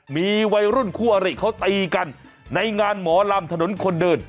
มีวัยรุ่นคู่อริเขาตีกันในงานหมอลำถนนคนเดิน